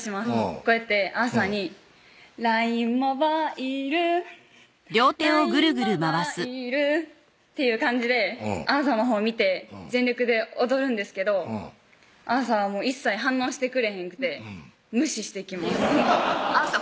こうやってアーサーに「ＬＩＮＥモバイルＬＩＮＥモバイル」っていう感じでアーサーのほう見て全力で踊るんですけどアーサーは一切反応してくれへんくて無視してきますアーサー